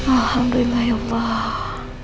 alhamdulillah ya allah